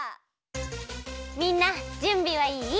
みんなじゅんびはいい？